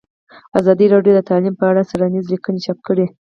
ازادي راډیو د تعلیم په اړه څېړنیزې لیکنې چاپ کړي.